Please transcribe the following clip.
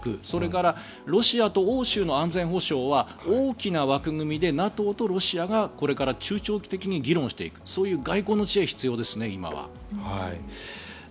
それからロシアと欧州の安全保障は大きな枠組みでＮＡＴＯとロシアがこれから中長期的に議論していくそういう外交の知恵が今は必要ですね。